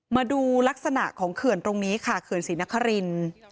มาดูลักษณะของเขื่อนตรงนี้ค่ะเขื่อนศรีนครินทร์